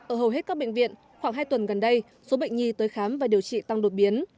ở hầu hết các bệnh viện khoảng hai tuần gần đây số bệnh nhi tới khám và điều trị tăng đột biến